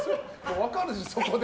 分かるでしょ、そこで。